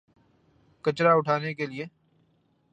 کچرا اٹھانے کے لیے۔